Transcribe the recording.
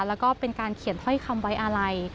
แล้วก็เป็นการเขียนถ้อยคำไว้อาลัย